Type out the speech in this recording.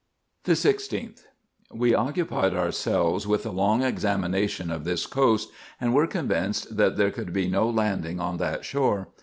The 16th. — We occupied ourselves with a long examination of this coast, and were convinced that there could be no landing on that shore.